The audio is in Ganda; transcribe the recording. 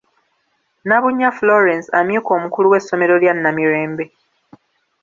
Nabunnya Florence amyuka omukulu w'essomero lya Namirembe.